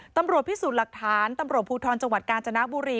ตำรวจพิสูจน์หลักฐานตำรวจภูทรจังหวัดกาญจนบุรี